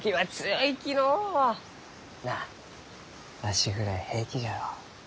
なあわしぐらい平気じゃろう？